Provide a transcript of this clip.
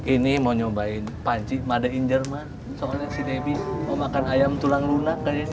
ini mau nyobain panci made in jerman soalnya si debbie mau makan ayam tulang lunak